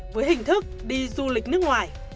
với hình thức đi du lịch nước ngoài